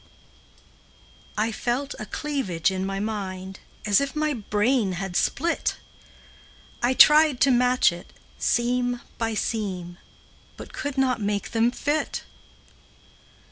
I felt a clearing in my mind As if my brain had split; I tried to match it, seam by seam, But could not make them fit.